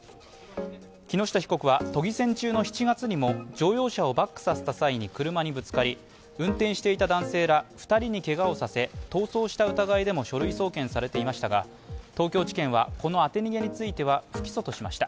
木下被告は都議選中の７月にも乗用車をバックさせた際に車にぶつかり運転していた男性ら２人にけがをさせ、逃走した疑いでも書類送検されていましたが東京地検はこの当て逃げについては不起訴としました。